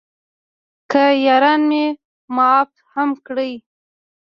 که یاران مې معاف هم کړي.